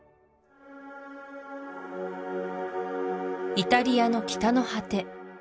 イタリアの北の果て